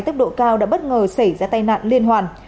tốc độ cao đã bất ngờ xảy ra tai nạn liên hoàn